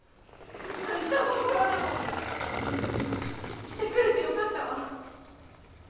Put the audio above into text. あんたもコロナも来てくれてよかったわ。